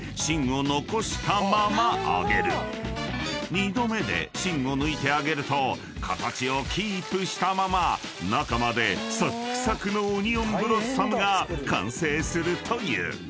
［２度目で芯を抜いて揚げると形をキープしたまま中までサックサクのオニオンブロッサムが完成するという］